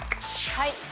はい。